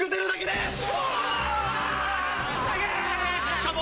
しかも。